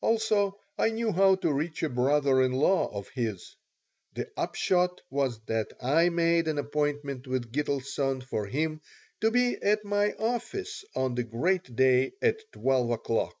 Also, I knew how to reach a brother in law of his. The upshot was that I made an appointment with Gitelson for him to be at my office on the great day at 12 o'clock.